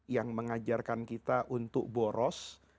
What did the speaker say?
yang mengajarkan kita untuk boros